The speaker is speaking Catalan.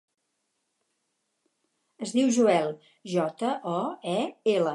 Es diu Joel: jota, o, e, ela.